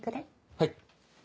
はい。